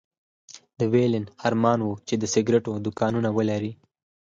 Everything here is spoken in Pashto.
د ويلين ارمان و چې د سګرېټو دوکانونه ولري.